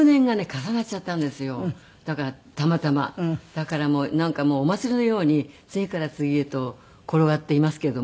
だからなんかもうお祭りのように次から次へと転がっていますけども。